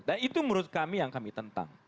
dan itu menurut kami yang kami tentang